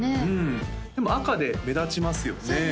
うんでも赤で目立ちますよね